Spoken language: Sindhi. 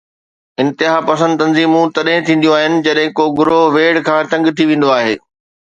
انتهاپسند تنظيمون تڏهن ٿينديون آهن جڏهن ڪو گروهه ويڙهه کان تنگ ٿي ويندو آهي.